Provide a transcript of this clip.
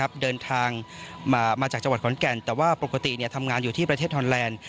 เดินทางมาจากจังหวัดขอนแก่นแต่ว่าปกติทำงานอยู่ที่ประเทศฮอนแลนด์